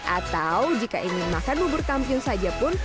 atau jika ingin makan bubur kampiun saja pun